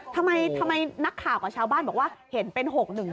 ทำไมนักข่าวกับชาวบ้านบอกว่าเห็นเป็น๖๑